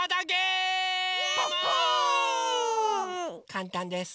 かんたんです。